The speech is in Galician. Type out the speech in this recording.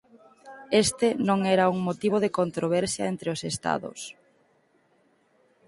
Este non era un motivo de controversia entre os estados.